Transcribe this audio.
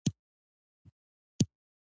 د ښو اخلاقو ارزښت تل ژوندی وي.